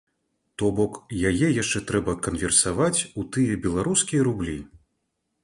То бок, яе яшчэ трэба канверсаваць у тыя беларускія рублі.